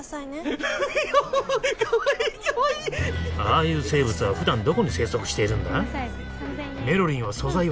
ああいう生物はふだんどこに生息しているんだ？